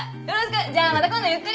じゃあまた今度ゆっくり！